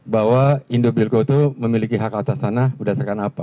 bahwa indobilco itu memiliki hak atas tanah berdasarkan apa